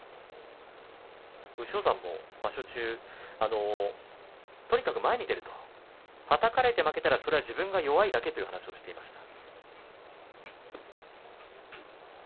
武将山も場所中、とにかく前に出るとはたかれて負けたらばそれは自分が弱いだけという話をしていました。